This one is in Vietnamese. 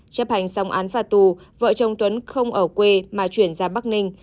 chấp hành xong án phạt tù vợ chồng tuấn không ở quê mà chuyển ra bắc ninh